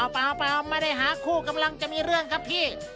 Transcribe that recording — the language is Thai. เปล่าไม่ได้หาคู่กำลังจะมีเรื่องครับพี่